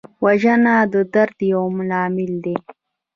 وژنه د درد یو لامل دی